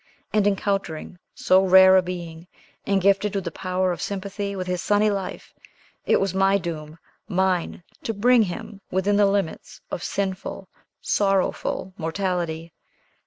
And, encountering so rare a being, and gifted with the power of sympathy with his sunny life, it was my doom, mine, to bring him within the limits of sinful, sorrowful mortality!